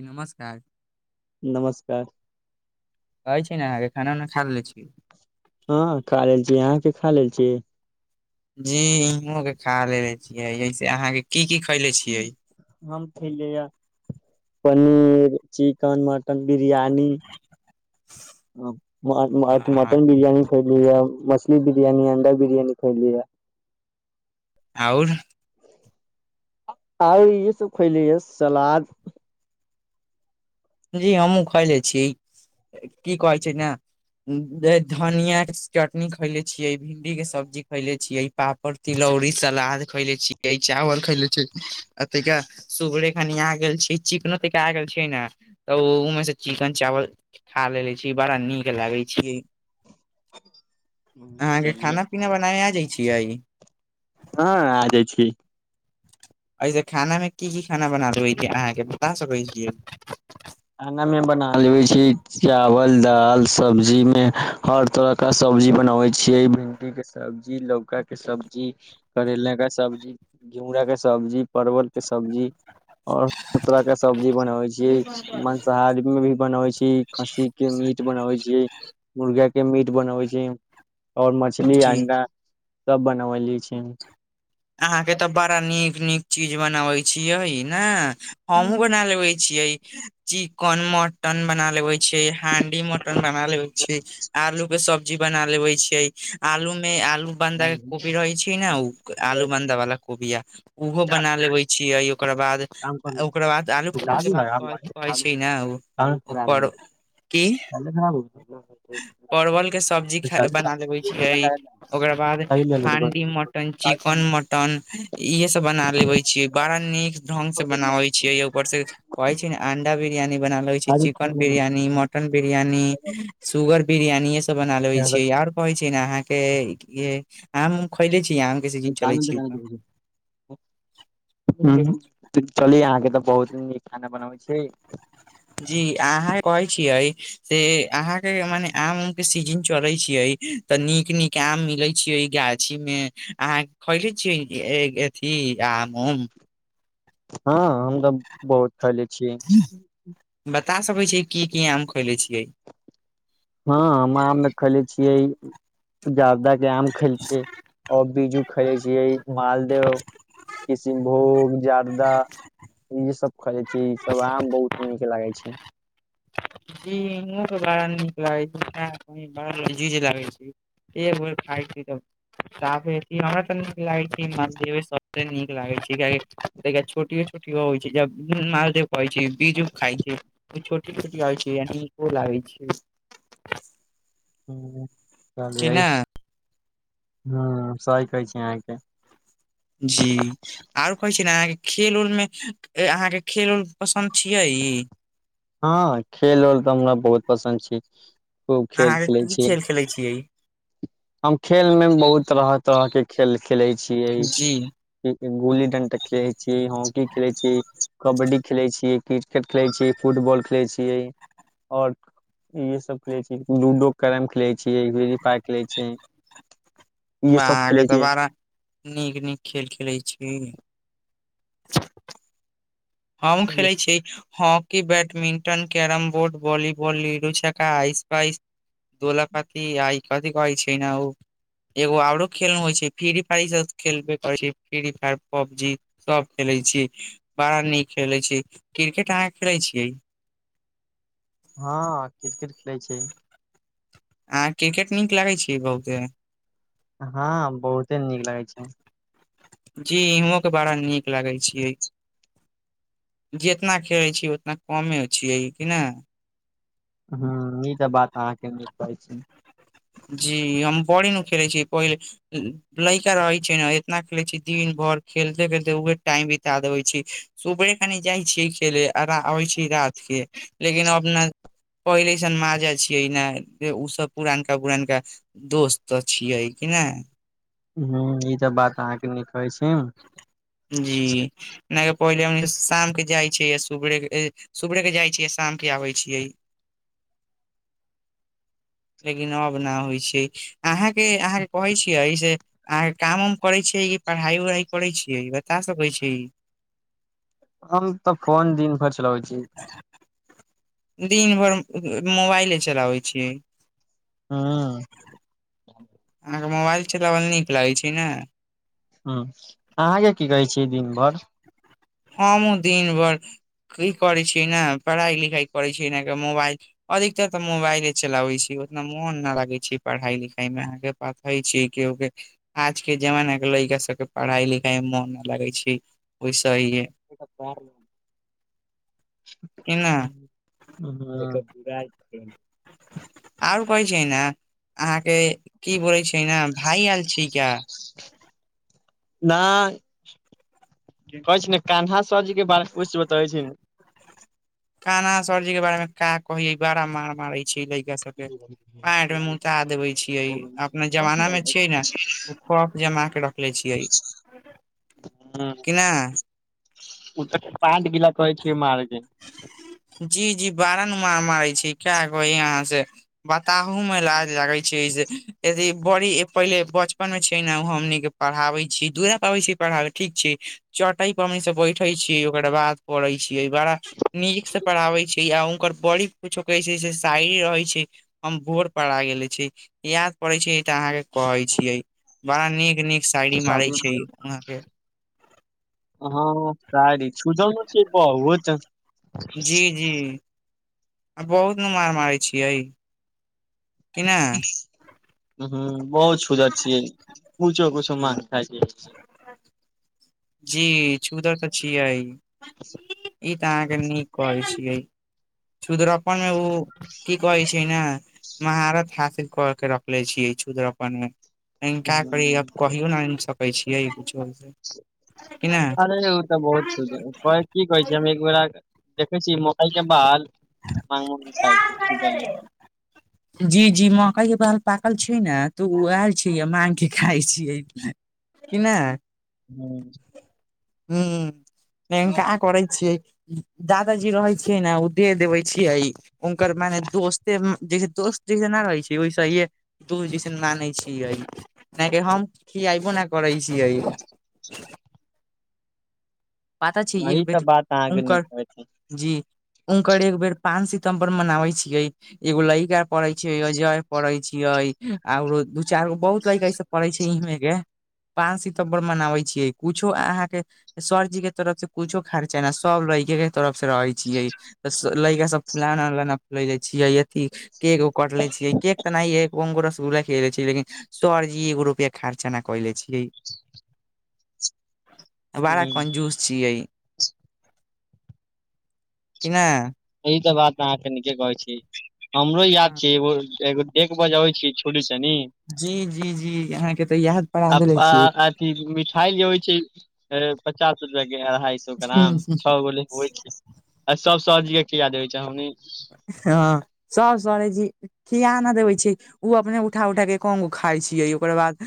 नमस्कार नमस्कार कहै छै ने अहाँके खाना उना खा ले छी हँ खा लेल छी अहाँ के खा लेल छी जी इहों के खा लेलेे छियै से अहाँ के की की खैले छियै हम खलिय य पनीर चिक चिकन मटन बिरयानी आ- मटन बिरियानी खैलीहै मछली बिरियानी अंडा बिरियानी खैलीहै आओर ओर ये सब खयली सलाद जी हमू खयले छीय की कहै छै ने धनिया चटनी खैले छीयै भिंडी के सब्जी खैले छियै पापड़ तिलौड़ी सलाद खैले छियै चावल खैले छिय अथिक सुपरे खनि आ गेल छी चिकनो त के आ गेल छय ने तऽ ओ में से चिकन चावल खा लेे छी बड़ा नीक लागे छी अहाँके चलिये खाना पीना बना आ जाय छिय हं आ जाइ छी एहिऐसे खाना में की की खाना बना देै अहाँके बता सकैत छी खाना में बना लेे छी चावल दाल सब्जी मे हर तरह सब्जी बनाबे छियै भिंडी के सब्जी लौका के सब्जी करेला के सब्जी घिउरा क सब्जी परवल के सब्जी और तरह के सब्जी बनाबै छियै खाद में भी बनबै छै खस्सी के मीट बनाबै छी मुर्गा के मीट बनवे छी और मछली जी अंडा सब बनव ले छी अहाँके त बड़ा नीक नीक चीज बनाबै छियै ने हमहूँ बना लेगै छीय चिकन मटन बना लेवे छियै हांडी मटन बना लेवे छियै आलू के सब्जी बना लेबे छियै आलूमे आलू बंधा कोपी रहै छै ने ओ आलू बानधा बालला कोबीिया ओहो बना लेबे छियै ओकर बाद काम कर ओकर बाद आलू पू के बात कहै छै ने ओ ह की ख परवल के सब्जी खा बना देबे छियै ओकरा बाद हांडी मटन चिकेन मटन इहे सब बना लेवे छीय बड़ा नीक ढंग से बनावे छै छियै य ऊपर से कहे छी छै अंडा बिरियानी बना लै छै chicken biryani mutton biryani sugar biryani इे सब बना लेबे छीयै आर कहै छै ने अहाके आम खैले छी आम के त सीजन चलै चालूत क छी तऽ दस चली अहाँके त बहुत नीक खाना बनाबै छै जी अहाँ कहै छियै से अहाँके मने आम उम के सीजन चलै छिय तऽ नीक नीक आम मिले छियै ओ गाछी में आहाँ खलै छियै ठी आम उम हँ हम त बहुत खैली छी बता सकै छी की की आम खोयले छिय हँ हम आ मे खेले छियै जादा के आम खैल छै बीजू खेले छियै मालदह किशनभोग जारदा इे सब खेयजे छै ई सब आम बहुत नीक लागे छै जी हम तऽ बड़ा नीक लागै छैड़ लागै छी ए भो खा द तब साफ हमरा तऽ नीक लागैत छै मद सभसँ नीक लागैत छै कियक छोटओ छोट होइ छै महदेव कहइ छै बीज उ खा छै छोट छट होइ छ लागै छै कि कह ना ह सही कहै छी अहाँके जी आरो कहै छियै ने अहाँके खेल उल मे अहाँके खेल उल पसन्द छिय हँ खेल आओर तऽ हमरा बहुत पसन्द छी खूब खेल खेलै अहाँके की छीय खेल खेलै छियै हम खेल मे बहुत तरह तरह के खेल खेले छिय जी गुल्ली डंडा खेले छी हॉकी खेले छी कबड्डी खेले छी क्रिकेट खेले छी फुटबॉल खेलै छियै आओर इहे सब खेले छी लूडो कैरम खेले छी फ्री फायर खेले छी बाह रे तऽ बड़ा नीक नीक खेल खेलै छी हमहूँ खेलै छी हम की badminton carrom board volleyball ludo छक्का आइस पइस दोला कति आइ कथी कहइ छै ने उ एगो आरो खेल नू होइ छै फ्री फायर ई सब खेलबे करै छै फ्री फायर पबजी सभ खेलैत छी बड़ा नीक खेलैत छी क्रिकेट अहाँ खेलैत छियै हँ क्रिकेट खेलै छियै अहाँक क्रिकेट नीक लागैत छी बहुते हँ बहुते नीक लगै छै जी इहों के बारा नीक लागेै छियै जितना खेलै छी उतना कमे छियै कि नहि हूंम्म ई त बात अहाँके [unintelligible] छै जी हम बड़ी नू खेलै छीयै पहिले लैका रहे छै ने इतना खेलैत छी दिन भर खेलते खेलते उहे टाइम बिता देबै छी सुबहे कनि जाइ छियै खेले आ अबै छियै रात के लेकिन अपना पहिलेसन माजा छियै ने ओ सब पुरान पुरानका दोस्त तऽ छियै कि ने हूंम्म ई सब बात अहाँके निक कहै छी [unintelligible] जी नहि पहिले शामके जाइ छै सुबरे सुबरे के जाइ छियै शामके आबै छियै लेकिन अब न होइ छै अहाँ के अहाँ के कहे छियै से अहाँके काम उम करै छियै की पढ़ाइ उढ़ाइ करै छियै बता सकै छी हम हम तऽ फोन दिन भरि चलबै छियै दिन भरि मोबाइले चलाबै छियै हूंम्म अहाँके मोबाइल चलाबल नीक लगैत छै ने ह्म अहाँके की कहै छियै दिन भर हमहुँ दिन भैर कि करै छियै ने पढ़ाइ लिखाइ करैत छीयै मोबाइल अधिकतर तऽ मोबाइले चलाबे छै उतना मोन न लागैत छै पढ़ाइ लिखाइ मे अहाँके पे [unintelligible] छी के के आज के जमाना के लड़िका सब के पढ़ाई लिखाई मे मोन न लगे छै तहिए बर [unintelligible] कि न हूंम्म बरा छै [unintelligible] आओर कहै छै ने अहाँके की बोलै छै ने भाय आयल छी का भाइ कहै छै ने कन्हा सब्जी के बारे किछु बतबै छै ने काना सरजी के बारे मे का कय बड़ा मार मारै छै लड़का सबके पेंट मे मुता देबे छियै अपना जमाना मे छियै ने ओ खौफ जमा के रखले छियै हँ कि नहि [unintelligible] उ तऽ पाँच गिला कहै छियै मारके [unintelligible] जी जी बारा नु मार मारे छी क अहाँ से बताबहू मे लाज लागे छियै से जे बड़ी पहिले बचपन मे छै ने हमनीके पढ़ाबै छी दूर पर आबै छी पढ़ाबै ठीक छै चट‌इ पर म से बैठे छीयै ओकर बाद करै छीयै एहि बारा नीक से पढ़ाबै छै आ हुनकर बड़ी कुछो कहै छै शायरी रहै छै हम भोर परा गेले छै याद पड़ै छै ई तऽ अहाँके कहै छियै बड़ा नीक नीक साायरी मारै छै वहाँ के हँ सारी सुुधन छै न बहुत [inaudible] त [unintelligible] [unintelligible] जी जी आ बहुत ने मार मारै छियै कि न ह बहुत सुधर छियै कुछो कुछो मान खाय छै जी सुघर तऽ छियै ई तऽ अहाँके नीक कहै छियै सुदरपन मे ओ क कहै छै न महारत हासिल क के रखले छिये सुदरपन मे हिनका करी हूँ आब कहियो नहि आनि सकै छियै कछोसँ अरे ओ तऽ बहुत छ की कहै छी हम एक बेर देखै छी मकई के बाल मा म खाइ छी छू [inaudible] जी जी मकई के बाल पाकल छै ने तऽ ओ आयल छैय माग के खााय छियै कि नहि हू न का करै छियै दादाजी रहै छ ने ओ दे देबे छियै हुनकर मने दोस्ते जैसे दोस्त जैसे न रहै छै ओहिसे हे तु जिसन माने छियै नहि रे हम खियाबो नहि करै छियै पता छै एक ई तऽ बेट बात अहाँके नीक हुनकर कहै छी जी हुनकर एक बेर पाँच सितम्बर मनाबे छियै एगो लड़का पड़ै छैिय जाय पड़ै छियै आरो दू चार गो बहुत लेका ऐस पड़ै छै इमे के पाँच सितम्बर मनाबे छियै कुछो अहाँके सर सर् जी के तरफ से कुछो खर्चा ने सब लैके के तरफ से रहे छियै त लड़का सब फुलोना उलाना फुल ले छियै अथी केक उक कट ले छियै केक त नहि ह को रसगुला खेलै छी लेकिन सरजी एगो रुपआ खर्चा ने कले छियै [unintelligible] बारा कंजूस छियै कि नहि यह तऽ बात अहाँके नीके कहै छी हमरो याद छी एगो एगो एक बजे अबै छियै छोरी सनी जी जी जी अहाँके तऽ याद परा दे छीयै मिठाई जे होइ छै पचास रुपआ के अढ़ाई सए क्राम छ गो आ सब सरजी के खिला देबे हैं सर सरे जी खिया न देबै छी ओ अपने उठा उठााक एक हक गे खाइ छियै ओकर बाद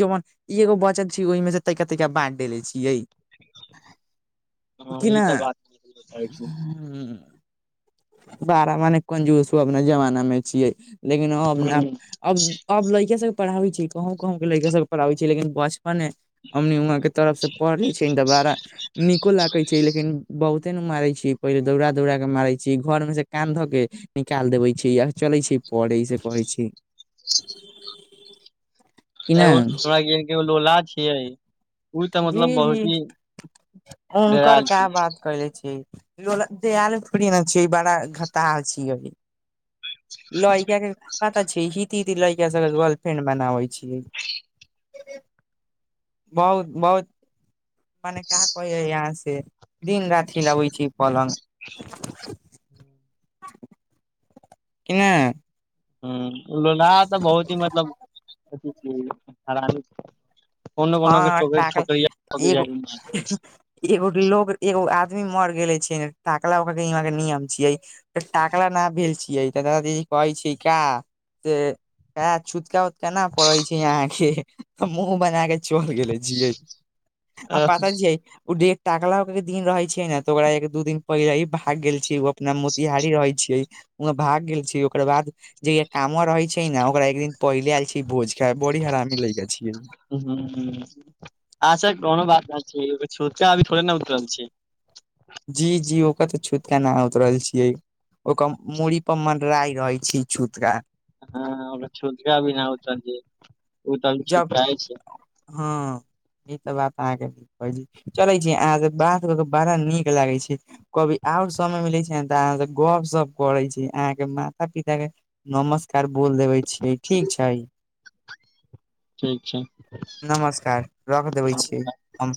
जेन ई एगो वचन छै ओहि मे से तैनका ता बाँट देले छियै हँ ई तऽ बात सही कहै छहो हू बारा मने कंजूसो अपना जमाना मे छियै लेकिन अबन अब अब लड़किया सबके पढ़ाबे छै कहु कहु के लड़का सबके पढ़ाबे छै लेकिन बच ने हमम्मनी उ के तरफ से पढ़ ले छै तऽ बड़ा नीको लागे छै लेकिन बहुत अत्ते ने मारे छीय पहिले दौड़ा दौड़ा के मारे छिये घर में से कान धऽ के निकाल देबे छै य चले छै पढ़ै से कहि छी [unintelligible] एगो हमरा गो [unintelligible] लोला छियै ओ तऽ जी मतलब जी बहुत ही ओंकर डेराल कऽ छै बात करले छियै दाल फोड़ ने छै बड़ा घाटा छी अ लड़का के पता छैी हिती हिती लेईका सबके गर्लफ्रेंड बनाबै छीिय बहुत बहुत मने क कहै यहाँ से दिन राति हिलाबे छी पलंग [inaudible] कि नै ह लोहा ऽ बहुत ही मतलब अथी हरानी कोनो हँ को टाकल छोक एगो एगो लोग एगो आदमी मर गेल छै टाकला ओक के नियम छियै तऽ टाकला न भेल छियै तऽ दादीजी कहै छै का से छूतका उतका ने पड़े छै यहाँ के मुह बना के चल गेलै जीय आ पता जिय ओ टकला दिन रहे छैै ने तऽ ओकरा एक दू दिन पहिले ही भाग गेल छी जेना मोतिहारी रहै छियै वह भाग गेल छी ओकर बाद जे य काम रहै छै ने ओकरा एक दिन पहिले आयल छी भोज खाय बड़ी हरामी ले के छियै अच्छा कोनो बात नहि छै छुतका अभी थोड़े ने उतरल छी जी जी ओकर त छूतके न उतरल छियै ओकर मूड़ी पर मनरा रहे छय छूतका हँ ओकरा छुटका भी नहित ओ त छुटकाय छै हं ई त बात अहाँके चले छी अह से बात क के बड़ा नीक लागे छी कभी ओर समय मिलै छै तऽ अहाँ से गप सप करै छी अहाँके माता पिता के नमस्कार बोल देबे छियै ठीक छै ठीक छै नमस्कार रख देबै छियै हम